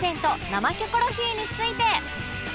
「生キョコロヒー」について